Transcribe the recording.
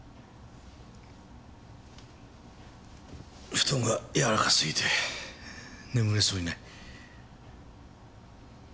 布団がやわらかすぎて眠れそうにない。